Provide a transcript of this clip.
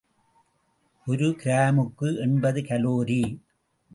ஒரு கிராமுக்கு எண்பது கலோரி.